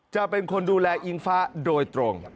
จะเป็นคนดูแลอิงฟ้าโดยตรง